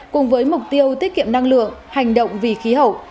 cùng với mục tiêu tiết kiệm năng lượng hành động vì khí hậu